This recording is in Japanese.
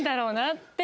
って。